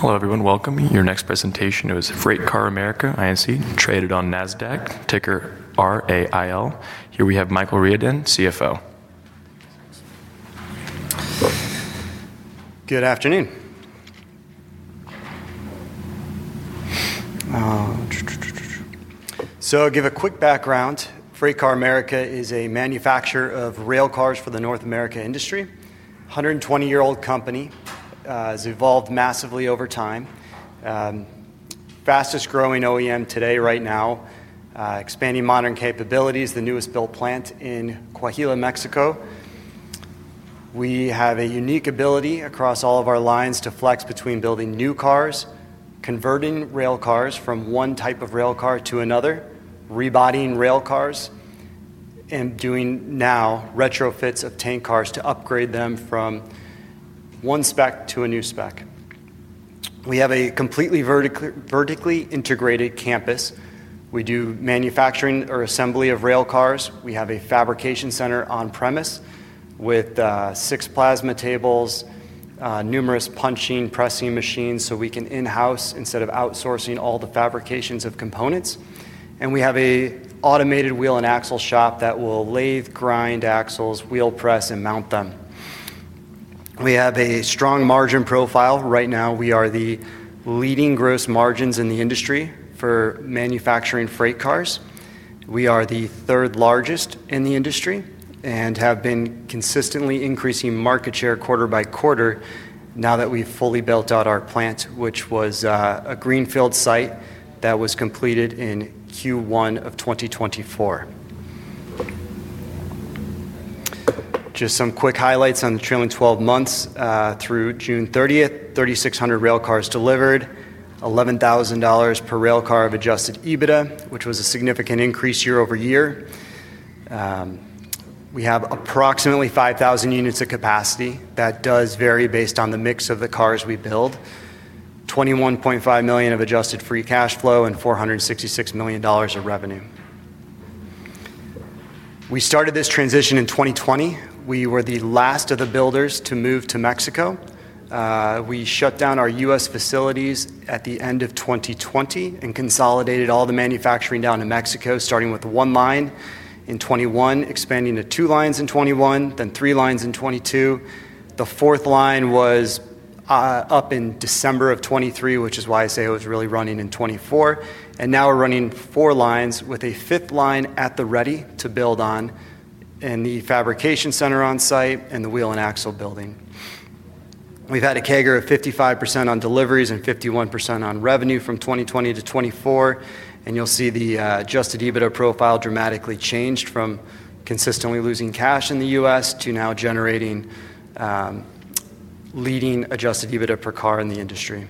Hello everyone, welcome. Your next presentation is FreightCar America, Inc., traded on NASDAQ, ticker RAIL. Here we have Michael Riordan, CFO. Good afternoon. I'll give a quick background. FreightCar America is a manufacturer of railcars for the North America industry. A 120-year-old company. It's evolved massively over time. Fastest growing OEM today right now, expanding modern capabilities, the newest built plant in Coahuila, Mexico. We have a unique ability across all of our lines to flex between building new cars, converting railcars from one type of railcar to another, rebodying railcars, and doing now retrofits of tank cars to upgrade them from one spec to a new spec. We have a completely vertically integrated campus. We do manufacturing or assembly of railcars. We have a fabrication center on premise with six plasma tables, numerous punching and pressing machines, so we can in-house instead of outsourcing all the fabrications of components. We have an automated wheel and axle shop that will lathe, grind axles, wheel press, and mount them. We have a strong margin profile. Right now, we are the leading gross margins in the industry for manufacturing freight cars. We are the third largest in the industry and have been consistently increasing market share quarter by quarter now that we've fully built out our plant, which was a Greenfield site that was completed in Q1 of 2024. Just some quick highlights on the trailing 12 months. Through June 30, 3,600 railcars delivered, $11,000 per railcar of adjusted EBITDA, which was a significant increase year-over-year. We have approximately 5,000 units of capacity. That does vary based on the mix of the cars we build. $21.5 million of adjusted free cash flow and $466 million of revenue. We started this transition in 2020. We were the last of the builders to move to Mexico. We shut down our U.S. facilities at the end of 2020 and consolidated all the manufacturing down to Mexico, starting with one line in 2021, expanding to two lines in 2021, then three lines in 2022. The fourth line was up in December of 2023, which is why I say it was really running in 2024. Now we're running four lines with a fifth line at the ready to build on, and the fabrication center on site, and the wheel and axle building. We've had a CAGR of 55% on deliveries and 51% on revenue from 2020 to 2024. You'll see the adjusted EBITDA profile dramatically change from consistently losing cash in the U.S. to now generating leading adjusted EBITDA per car in the industry.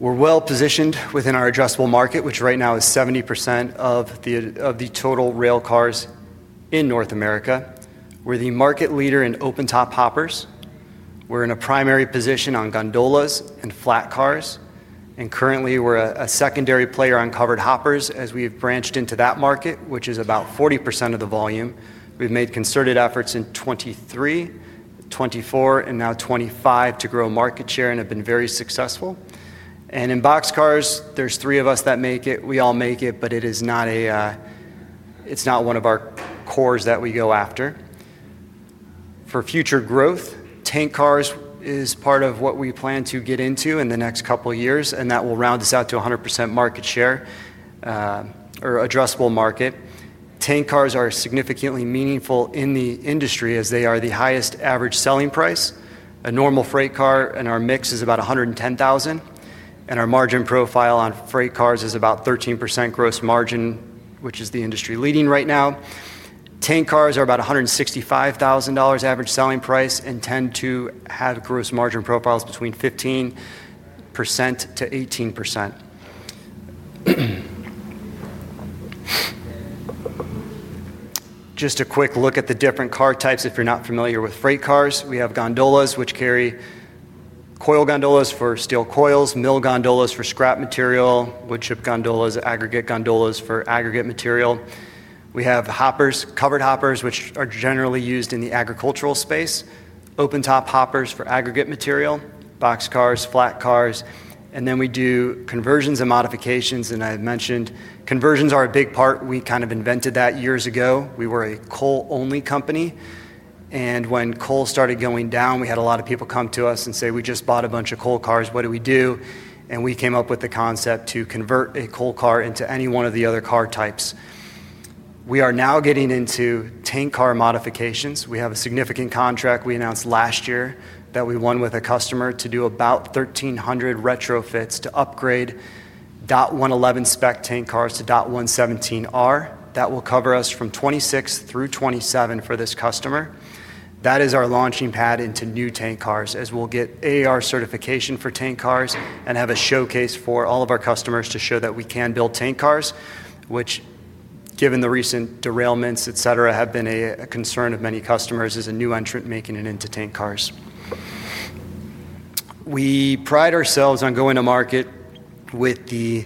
We're well positioned within our addressable market, which right now is 70% of the total railcars in North America. We're the market leader in open-top hoppers. We're in a primary position on gondolas and flat cars. Currently, we're a secondary player on covered hoppers as we've branched into that market, which is about 40% of the volume. We've made concerted efforts in 2023, 2024, and now 2025 to grow market share and have been very successful. In boxcars, there's three of us that make it. We all make it, but it is not one of our cores that we go after. For future growth, tank cars is part of what we plan to get into in the next couple of years, and that will round us out to 100% market share or addressable market. Tank cars are significantly meaningful in the industry as they are the highest average selling price. A normal freight car in our mix is about $110,000. Our margin profile on freight cars is about 13% gross margin, which is the industry leading right now. Tank cars are about $165,000 average selling price and tend to have gross margin profiles between 15%-18%. Just a quick look at the different car types if you're not familiar with freight cars. We have gondolas, which carry coil gondolas for steel coils, mill gondolas for scrap material, wood chip gondolas, aggregate gondolas for aggregate material. We have hoppers, covered hoppers, which are generally used in the agricultural space, open-top hoppers for aggregate material, boxcars, flat cars, and then we do conversions and modifications. I had mentioned conversions are a big part. We kind of invented that years ago. We were a coal-only company. When coal started going down, we had a lot of people come to us and say, "We just bought a bunch of coal cars. What do we do?" We came up with the concept to convert a coal car into any one of the other car types. We are now getting into tank car modifications. We have a significant contract we announced last year that we won with a customer to do about 1,300 retrofits to upgrade DOT 111 spec tank cars to DOT 117R that will cover us from 2026 through 2027 for this customer. That is our launching pad into new tank cars as we'll get AAR certification for tank cars and have a showcase for all of our customers to show that we can build tank cars, which, given the recent derailments, etc., have been a concern of many customers as a new entrant making it into tank cars. We pride ourselves on going to market with the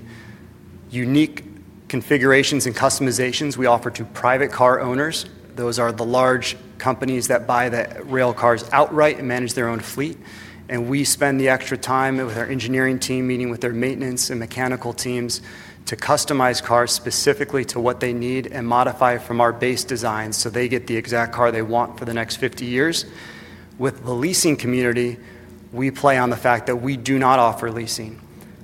unique configurations and customizations we offer to private car owners. Those are the large companies that buy the railcars outright and manage their own fleet. We spend the extra time with our engineering team, meeting with their maintenance and mechanical teams to customize cars specifically to what they need and modify from our base designs so they get the exact car they want for the next 50 years. With the leasing community, we play on the fact that we do not offer leasing.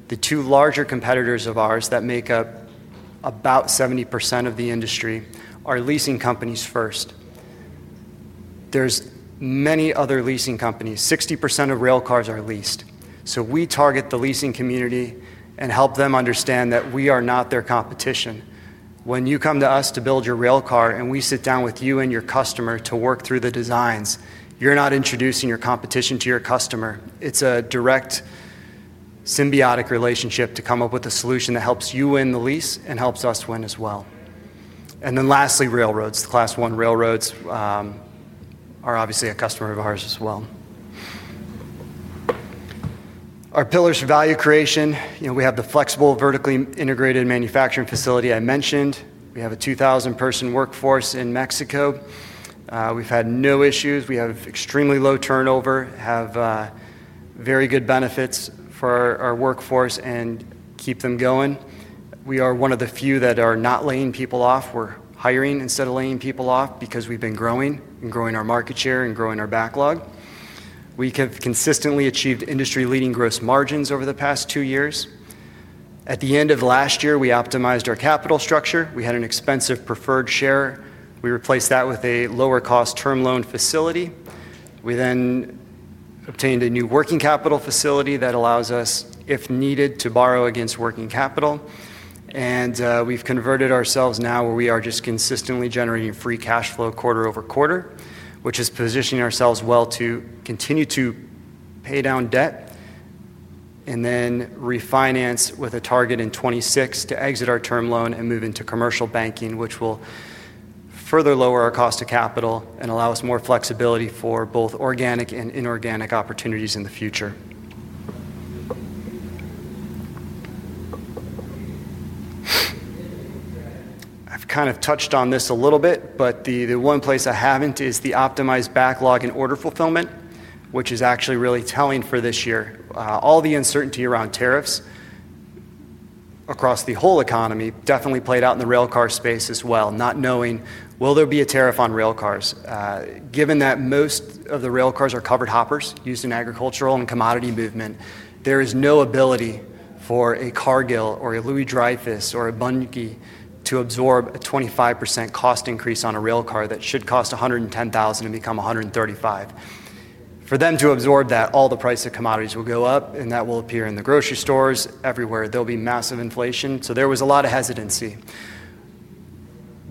The two larger competitors of ours that make up about 70% of the industry are leasing companies first. There are many other leasing companies. 60% of railcars are leased. We target the leasing community and help them understand that we are not their competition. When you come to us to build your railcar and we sit down with you and your customer to work through the designs, you're not introducing your competition to your customer. It's a direct symbiotic relationship to come up with a solution that helps you win the lease and helps us win as well. Lastly, railroads, the Class 1 railroads are obviously a customer of ours as well. Our pillar is value creation. We have the flexible, vertically integrated manufacturing facility I mentioned. We have a 2,000-person workforce in Mexico. We've had no issues. We have extremely low turnover, have very good benefits for our workforce, and keep them going. We are one of the few that are not laying people off. We're hiring instead of laying people off because we've been growing and growing our market share and growing our backlog. We have consistently achieved industry-leading gross margins over the past two years. At the end of last year, we optimized our capital structure. We had an expensive preferred share. We replaced that with a lower-cost term loan facility. We then obtained a new working capital facility that allows us, if needed, to borrow against working capital. We've converted ourselves now where we are just consistently generating free cash flow quarter-over-quarter, which is positioning ourselves well to continue to pay down debt and then refinance with a target in 2026 to exit our term loan and move into commercial banking, which will further lower our cost of capital and allow us more flexibility for both organic and inorganic opportunities in the future. I've kind of touched on this a little bit, but the one place I haven't is the optimized backlog and order fulfillment, which is actually really telling for this year. All the uncertainty around tariffs across the whole economy definitely played out in the railcar space as well, not knowing will there be a tariff on railcars. Given that most of the railcars are covered hoppers used in agricultural and commodity movement, there is no ability for a Cargill or a Louis Dreyfus or a Bunge to absorb a 25% cost increase on a railcar that should cost $110,000 and become $135,000. For them to absorb that, all the price of commodities will go up, and that will appear in the grocery stores, everywhere. There'll be massive inflation. There was a lot of hesitancy.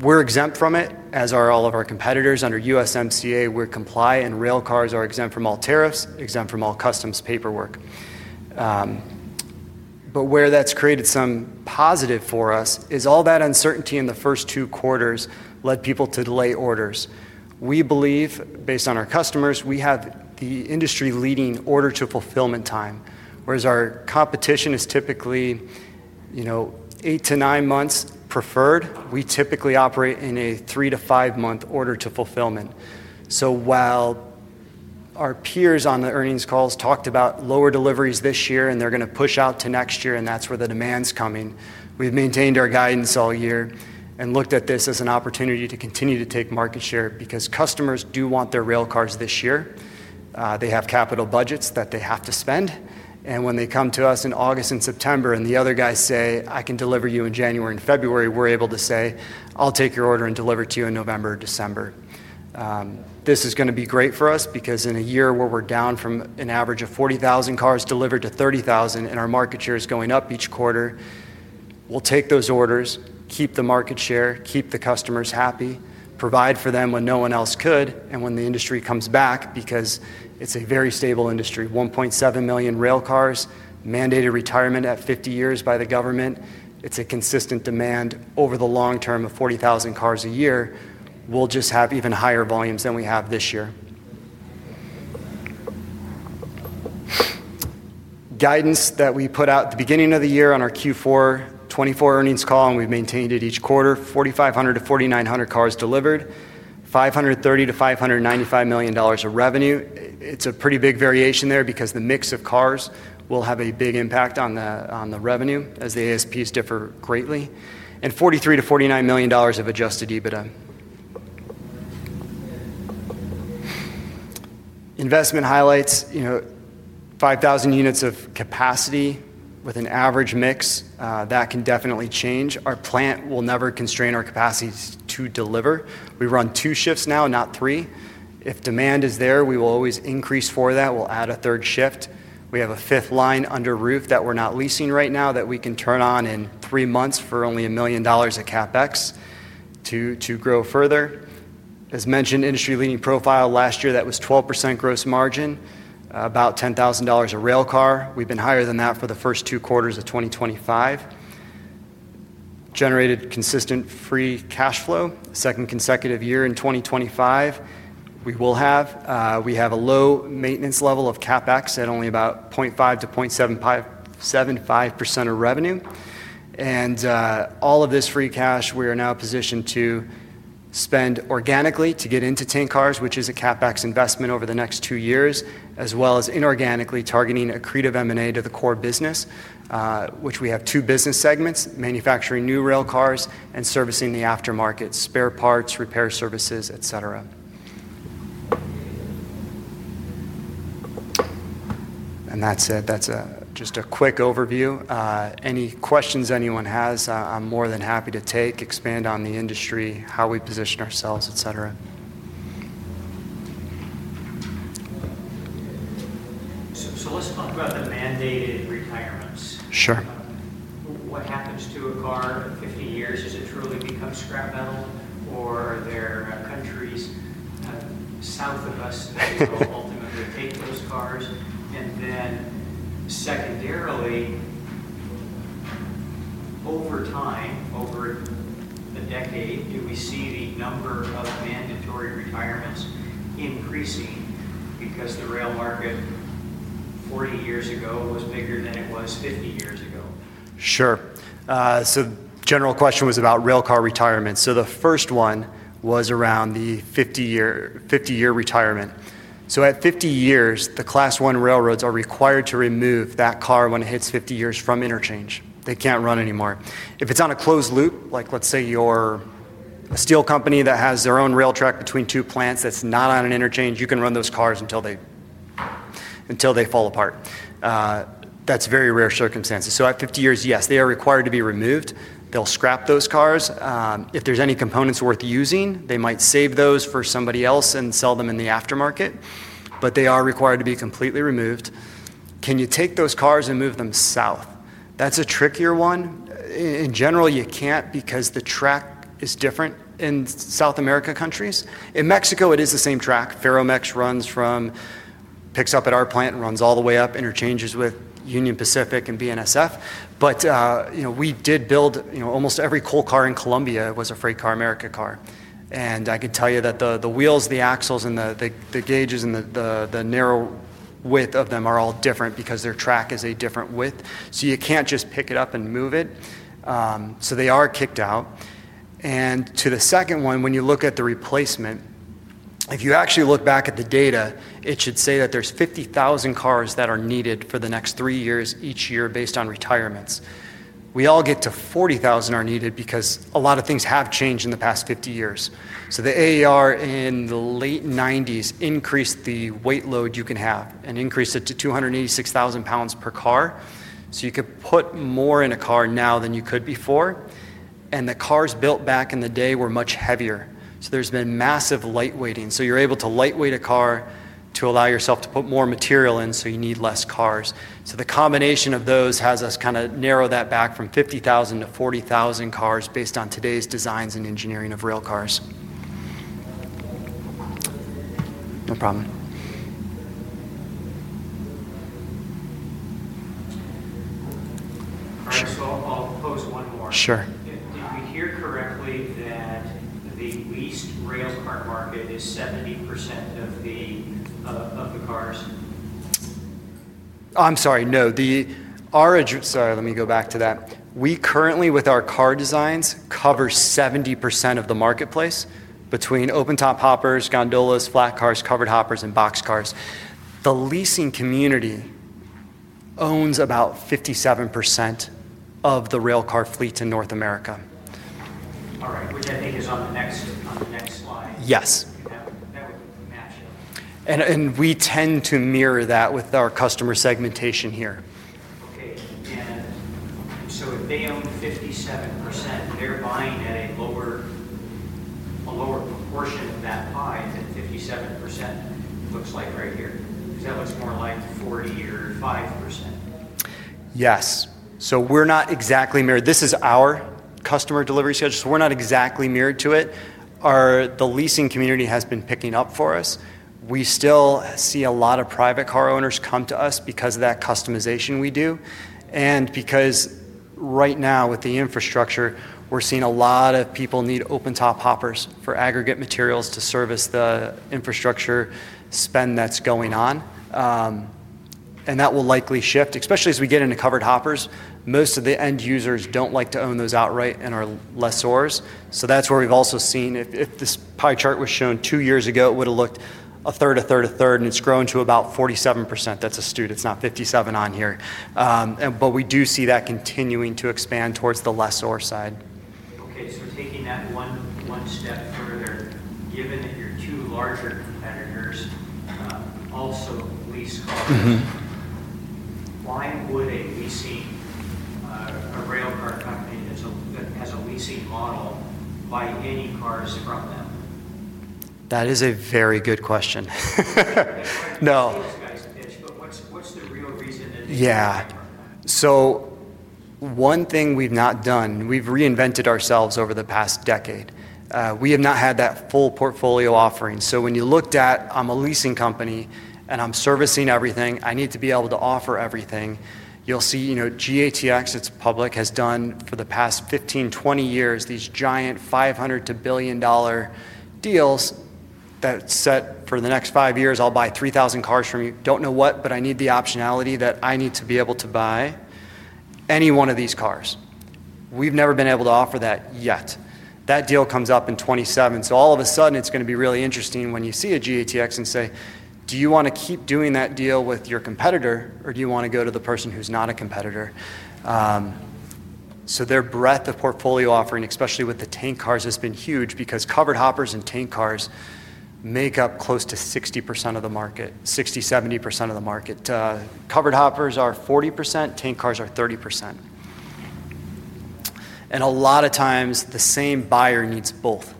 We're exempt from it, as are all of our competitors. Under USMCA, we comply, and railcars are exempt from all tariffs, exempt from all customs paperwork. Where that's created some positive for us is all that uncertainty in the first two quarters led people to delay orders. We believe, based on our customers, we have the industry-leading order-to-fulfillment time, whereas our competition is typically, you know, eight to nine months preferred. We typically operate in a three to five-month order-to-fulfillment. While our peers on the earnings calls talked about lower deliveries this year, and they're going to push out to next year, and that's where the demand's coming, we've maintained our guidance all year and looked at this as an opportunity to continue to take market share because customers do want their railcars this year. They have capital budgets that they have to spend. When they come to us in August and September and the other guys say, "I can deliver you in January and February," we're able to say, "I'll take your order and deliver to you in November or December." This is going to be great for us because in a year where we're down from an average of 40,000 cars delivered to 30,000 and our market share is going up each quarter, we'll take those orders, keep the market share, keep the customers happy, provide for them when no one else could, and when the industry comes back because it's a very stable industry. 1.7 million railcars, mandated retirement at 50 years by the government. It's a consistent demand over the long term of 40,000 cars a year. We'll just have even higher volumes than we have this year. Guidance that we put out at the beginning of the year on our Q4 2024 earnings call, and we've maintained it each quarter, 4,500-4,900 cars delivered, $530 million-$595 million of revenue. It's a pretty big variation there because the mix of cars will have a big impact on the revenue as the ASPs differ greatly, and $43 million-$49 million of adjusted EBITDA. Investment highlights, you know, 5,000 units of capacity with an average mix that can definitely change. Our plant will never constrain our capacities to deliver. We run two shifts now, not three. If demand is there, we will always increase for that. We'll add a third shift. We have a fifth line under roof that we're not leasing right now that we can turn on in three months for only $1 million of CapEx to grow further. As mentioned, industry-leading profile last year that was 12% gross margin, about $10,000 a rail car. We've been higher than that for the first two quarters of 2025. Generated consistent free cash flow second consecutive year in 2025. We will have, we have a low maintenance level of CapEx at only about 0.5%-0.75% of revenue. All of this free cash, we are now positioned to spend organically to get into tank cars, which is a CapEx investment over the next two years, as well as inorganically targeting accretive M&A to the core business, which we have two business segments, manufacturing new rail cars and servicing the aftermarket, spare parts, repair services, etc. That's it. That's just a quick overview. Any questions anyone has, I'm more than happy to take, expand on the industry, how we position ourselves, et cetera. Let's talk about the mandated replacement cycle. Sure. What happens to a car at 50 years? Does it truly become scrap metal, or are there countries south of us that ultimately take those cars? Secondarily, over time, over a decade, do we see the number of mandatory retirements increasing because the rail market 40 years ago was bigger than it was 50 years ago? Sure. The general question was about railcar retirements. The first one was around the 50-year retirement. At 50 years, the Class 1 railroads are required to remove that car when it hits 50 years from interchange. They can't run anymore. If it's on a closed loop, like let's say you're a steel company that has their own rail track between two plants that's not on an interchange, you can run those cars until they fall apart. That's very rare circumstances. At 50 years, yes, they are required to be removed. They'll scrap those cars. If there's any components worth using, they might save those for somebody else and sell them in the aftermarket. They are required to be completely removed. Can you take those cars and move them south? That's a trickier one. In general, you can't because the track is different in South American countries. In Mexico, it is the same track. Ferromex picks up at our plant and runs all the way up, interchanges with Union Pacific and BNSF. We did build almost every coal car in Colombia as a FreightCar America car. I could tell you that the wheels, the axles, and the gauges and the narrow width of them are all different because their track is a different width. You can't just pick it up and move it. They are kicked out. To the second one, when you look at the replacement, if you actually look back at the data, it should say that there's 50,000 cars that are needed for the next three years each year based on retirements. We all get to 40,000 are needed because a lot of things have changed in the past 50 years. The AAR in the late 1990s increased the weight load you can have and increased it to 286,000 lbs per car. You could put more in a car now than you could before. The cars built back in the day were much heavier. There's been massive lightweighting. You're able to lightweight a car to allow yourself to put more material in, so you need less cars. The combination of those has us kind of narrow that back from 50,000-40,000 cars based on today's designs and engineering of railcars. No problem. All right, I'll pose one more. Sure. Did we hear correctly that the leased railcar market is 70% of the cars? We currently, with our car designs, cover 70% of the marketplace between open-top hoppers, gondolas, flat cars, covered hoppers, and boxcars. The leasing community owns about 57% of the railcar fleet in North America. All right, which I think is on the next slide. Yes, we tend to mirror that with our customer segmentation here. Okay, if they own 57%, they're buying a lower portion of that pie. That 57% looks like right here. Is that what's more aligned to 40% or 45%? Yes. We're not exactly mirrored. This is our customer delivery schedule, so we're not exactly mirrored to it. The leasing community has been picking up for us. We still see a lot of private car owners come to us because of that customization we do. Right now with the infrastructure, we're seeing a lot of people need open-top hoppers for aggregate materials to service the infrastructure spend that's going on. That will likely shift, especially as we get into covered hoppers. Most of the end users don't like to own those outright and are lessors. That's where we've also seen, if this pie chart was shown two years ago, it would have looked 1/3, 1/3, 1/3, and it's grown to about 47%. That's astute. It's not 57% on here. We do see that continuing to expand towards the lessor side. Okay, taking that one step further, given that your two larger competitors are also leased, why would a railcar company that has a leasing model buy any cars from them? That is a very good question. No. One thing we've not done, we've reinvented ourselves over the past decade. We have not had that full portfolio offering. When you looked at, I'm a leasing company and I'm servicing everything, I need to be able to offer everything. You'll see, you know, GATX, it's public, has done for the past 15, 20 years these giant $500 million-$1 billion deals that set for the next five years, I'll buy 3,000 cars from you. Don't know what, but I need the optionality that I need to be able to buy any one of these cars. We've never been able to offer that yet. That deal comes up in 2027. All of a sudden, it's going to be really interesting when you see a GATX and say, do you want to keep doing that deal with your competitor or do you want to go to the person who's not a competitor? Their breadth of portfolio offering, especially with the tank cars, has been huge because covered hoppers and tank cars make up close to 60% of the market, 60%, 70% of the market. Covered hoppers are 40%, tank cars are 30%. A lot of times, the same buyer needs both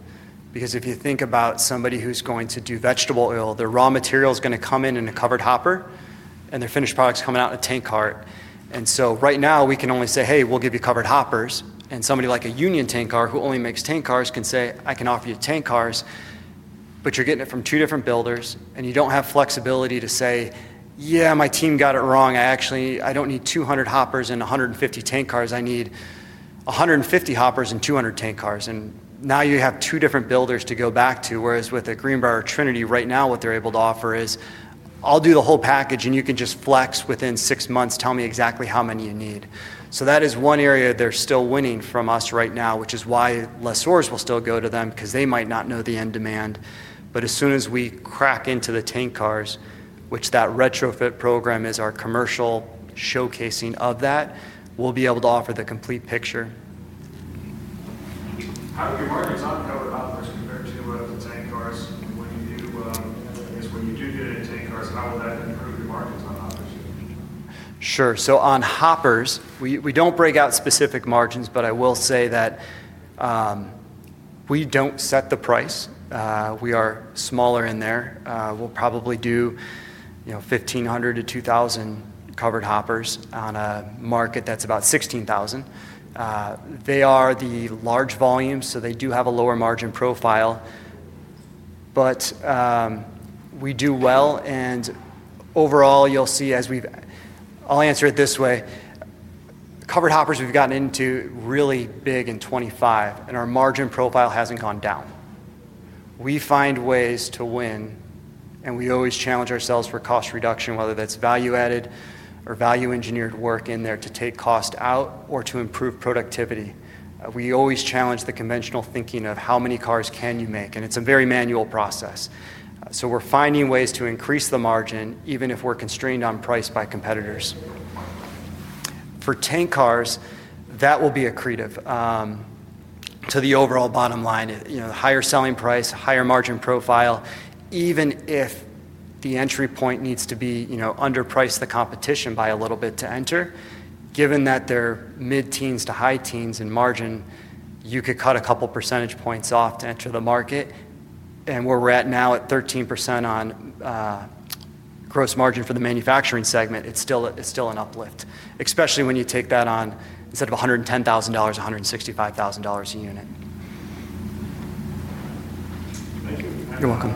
because if you think about somebody who's going to do vegetable oil, their raw material is going to come in in a covered hopper, and their finished product is coming out in a tank car. Right now, we can only say, hey, we'll give you covered hoppers, and somebody like a Union Tank Car who only makes tank cars can say, I can offer you tank cars, but you're getting it from two different builders, and you don't have flexibility to say, yeah, my team got it wrong. I actually, I don't need 200 hoppers and 150 tank cars. I need 150 hoppers and 200 tank cars. Now you have two different builders to go back to, whereas with a Greenbrier or Trinity right now, what they're able to offer is, I'll do the whole package, and you can just flex within six months, tell me exactly how many you need. That is one area they're still winning from us right now, which is why lessors will still go to them because they might not know the end demand. As soon as we crack into the tank cars, which that retrofit program is our commercial showcasing of that, we'll be able to offer the complete picture. I was going to say, what about the tank cars? What do you do? When you do get into tank cars, how will that? Sure. On hoppers, we don't break out specific margins, but I will say that we don't set the price. We are smaller in there. We'll probably do 1,500-2,000 covered hoppers on a market that's about 16,000. They are the large volumes, so they do have a lower margin profile. We do well, and overall, you'll see as we've, I'll answer it this way, covered hoppers we've gotten into really big in 2025, and our margin profile hasn't gone down. We find ways to win, and we always challenge ourselves for cost reduction, whether that's value-added or value-engineered work in there to take cost out or to improve productivity. We always challenge the conventional thinking of how many cars can you make, and it's a very manual process. We're finding ways to increase the margin, even if we're constrained on price by competitors. For tank cars, that will be accretive to the overall bottom line, higher selling price, higher margin profile, even if the entry point needs to be underprice the competition by a little bit to enter. Given that they're mid-teens to high teens in margin, you could cut a couple percentage points off to enter the market. Where we're at now at 13% on gross margin for the manufacturing segment, it's still an uplift, especially when you take that on instead of $110,000-$165,000 a unit. You're welcome.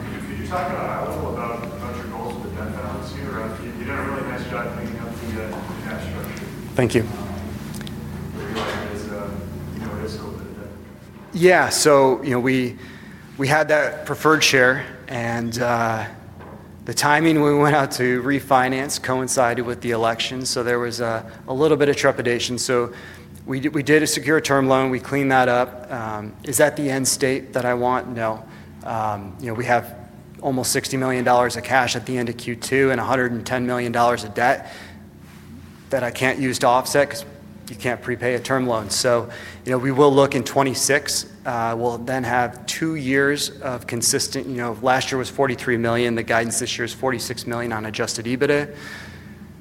I wasn't aware about your goals for the benefit. I'm Stephen Poe. You did a really nice job bringing out the. Thank you. We had that preferred share, and the timing we went out to refinance coincided with the election, so there was a little bit of trepidation. We did a secured term loan. We cleaned that up. Is that the end state that I want? No. We have almost $60 million of cash at the end of Q2 and $110 million of debt that I can't use to offset because you can't prepay a term loan. We will look in 2026. We'll then have two years of consistent, last year was $43 million. The guidance this year is $46 million on adjusted EBITDA.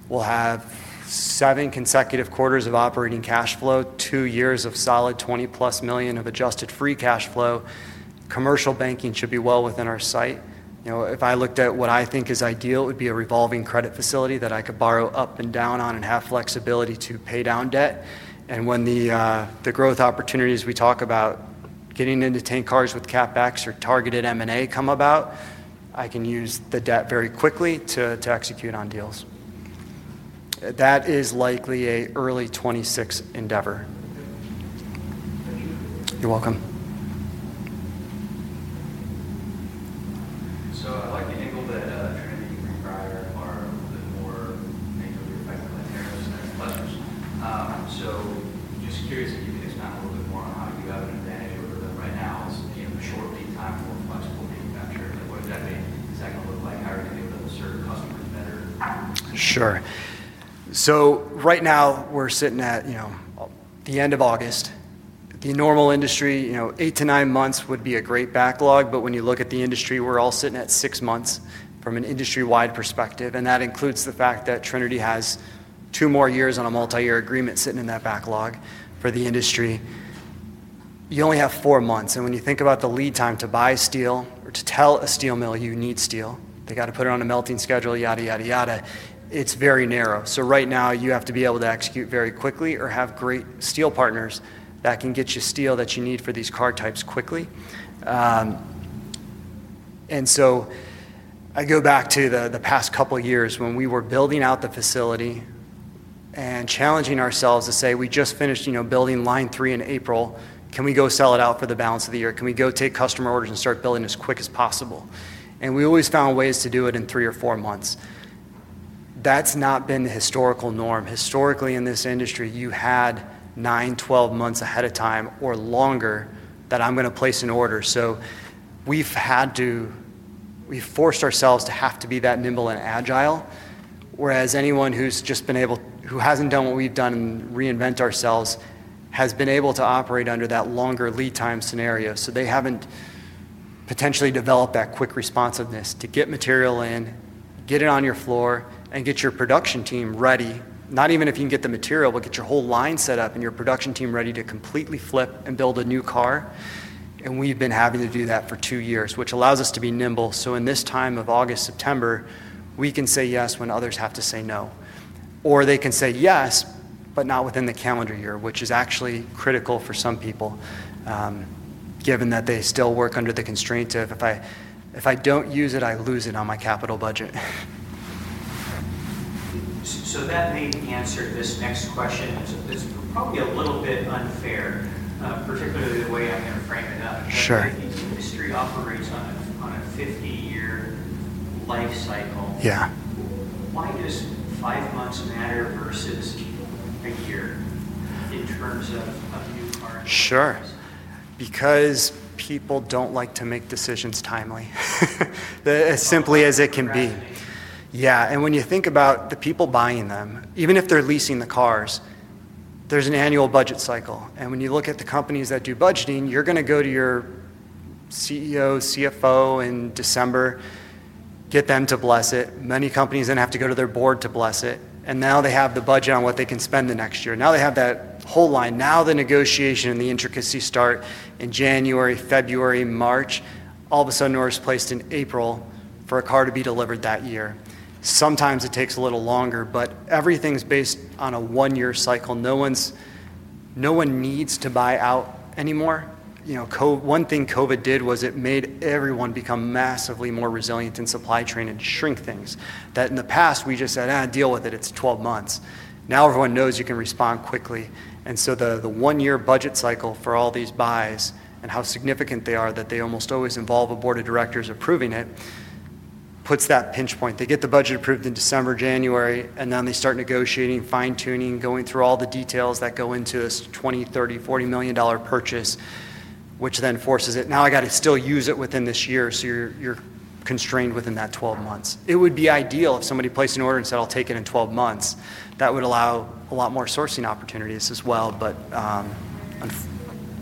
We'll have seven consecutive quarters of operating cash flow, two years of solid $20 million+ of adjusted free cash flow. Commercial banking should be well within our sight. If I looked at what I think is ideal, it would be a revolving credit facility that I could borrow up and down on and have flexibility to pay down debt. When the growth opportunities we talk about, getting into tank cars with CapEx or targeted M&A come about, I can use the debt very quickly to execute on deals. That is likely an early 2026 endeavor. You're welcome. I'd like to get a little bit of a Trinity, Greenbrier, part of the more make of the effective materials and explainers. I'm just curious if you could expand a little bit more on how you have an advantage over that right now as getting short team time both ways. Sure. Right now we're sitting at the end of August. The normal industry eight to nine months would be a great backlog, but when you look at the industry, we're all sitting at six months from an industry-wide perspective, and that includes the fact that Trinity has two more years on a multi-year agreement sitting in that backlog for the industry. You only have four months, and when you think about the lead time to buy steel or to tell a steel mill you need steel, they have to put it on a melting schedule, yada, yada, yada. It's very narrow. Right now you have to be able to execute very quickly or have great steel partners that can get you steel that you need for these car types quickly. I go back to the past couple of years when we were building out the facility and challenging ourselves to say we just finished building line three in April. Can we go sell it out for the balance of the year? Can we go take customer orders and start building as quick as possible? We always found ways to do it in three or four months. That's not been the historical norm. Historically, in this industry, you had nine, twelve months ahead of time or longer that I'm going to place an order. We've forced ourselves to have to be that nimble and agile, whereas anyone who hasn't done what we've done and reinvented ourselves has been able to operate under that longer lead time scenario. They haven't potentially developed that quick responsiveness to get material in, get it on your floor, and get your production team ready. Not even if you can get the material, but get your whole line set up and your production team ready to completely flip and build a new car. We've been happy to do that for two years, which allows us to be nimble. In this time of August, September, we can say yes when others have to say no. Or they can say yes, but not within the calendar year, which is actually critical for some people, given that they still work under the constraint of if I don't use it, I lose it on my capital budget. That may answer this next question. It's probably a little bit unfair, particularly the way I framed it. Sure. We are offering on a 50-year life cycle. Yeah. Why does five months matter versus a year in terms of a new car? Sure. Because people don't like to make decisions timely, as simply as it can be. When you think about the people buying them, even if they're leasing the cars, there's an annual budget cycle. When you look at the companies that do budgeting, you're going to go to your CEO, CFO in December, get them to bless it. Many companies then have to go to their board to bless it. Now they have the budget on what they can spend the next year. Now they have that whole line. The negotiation and the intricacies start in January, February, March. All of a sudden, orders placed in April for a car to be delivered that year. Sometimes it takes a little longer, but everything's based on a one-year cycle. No one needs to buy out anymore. One thing COVID did was it made everyone become massively more resilient in supply chain and shrink things. That in the past, we just said, deal with it. It's 12 months. Now everyone knows you can respond quickly. The one-year budget cycle for all these buys and how significant they are that they almost always involve a board of directors approving it puts that pinch point. They get the budget approved in December, January, and then they start negotiating, fine-tuning, going through all the details that go into this $20 million, $30 million, $40 million purchase, which then forces it. Now I got to still use it within this year. You're constrained within that 12 months. It would be ideal if somebody placed an order and said, "I'll take it in 12 months." That would allow a lot more sourcing opportunities as well.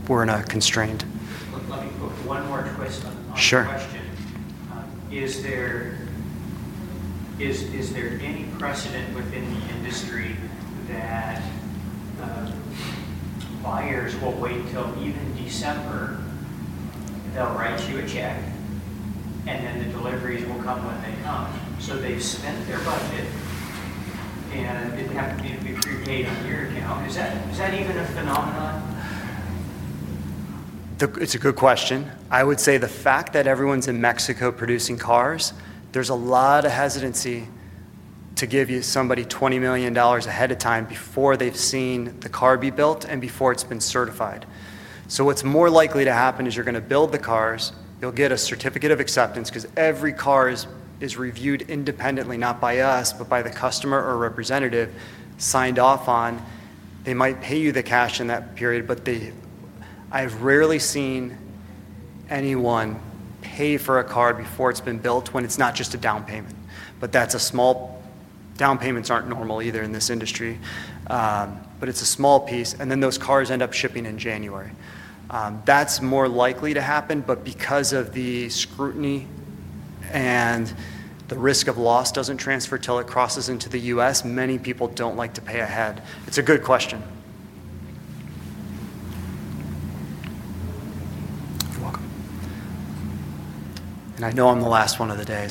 We're in a constraint. Let me put one more twist on the question. Sure. Is there any precedent within the industry that buyers will wait till even December? They'll write you a check, and then the deliveries will come when they come. They've spent their budget, and they have to get prepaid up here and down. Is that even a phenomenon? It's a good question. I would say the fact that everyone's in Mexico producing cars, there's a lot of hesitancy to give you somebody $20 million ahead of time before they've seen the car be built and before it's been certified. What's more likely to happen is you're going to build the cars. You'll get a certificate of acceptance because every car is reviewed independently, not by us, but by the customer or representative signed off on. They might pay you the cash in that period, but I've rarely seen anyone pay for a car before it's been built when it's not just a down payment. Small down payments aren't normal either in this industry, but it's a small piece. Those cars end up shipping in January. That's more likely to happen. Because of the scrutiny and the risk of loss doesn't transfer till it crosses into the U.S., many people don't like to pay ahead. It's a good question. I know I'm the last one of the day.